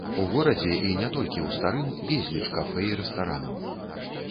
У горадзе, і не толькі ў старым, безліч кафэ і рэстаранаў.